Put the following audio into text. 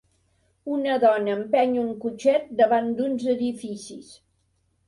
Una dona empeny un cotxet davant d'uns edificis.